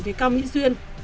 với cao mỹ duyên